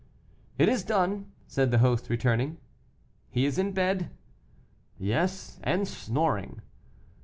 "It is done," said the host, returning. "He is in bed?" "Yes, and snoring."